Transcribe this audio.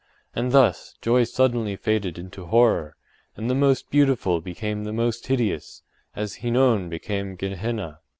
And thus, joy suddenly faded into horror, and the most beautiful became the most hideous, as Hinnon became Ge Henna.